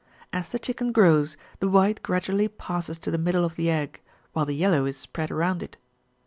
As the chicken grows, the white gradually passes to the middle of the egg, while the yellow is spread around it.